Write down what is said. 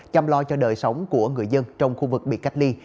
chăm lo cho đời sống của người dân trong khu vực bị cách ly